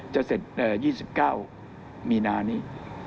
จะเสร็จ๒๙มีนานี้